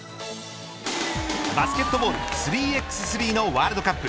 バスケットボール３×３のワールドカップ。